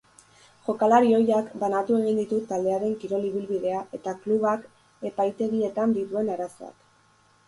Jokalari ohiak banatu egin ditu taldearen kirol ibilbidea eta klubak epaitegietan dituen arazoak.